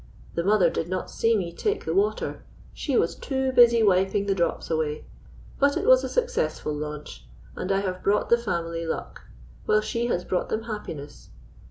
The mother did not see me take the water she was too busy wiping the drops away. But it was a successful launch, and I have brought the family luck, while she has brought them happiness.